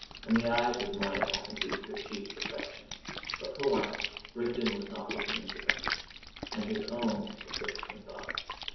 And the eyes of Moya happened to be her chief perfection. But for once Rigden was not looking into them, and his own were fixed in thought.